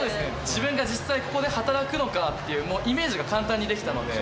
自分が実際ここで働くのかっていうイメージが簡単にできたので。